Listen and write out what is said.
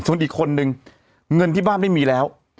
ส่วนอีกคนนึงเงินที่บ้านไม่มีแล้ว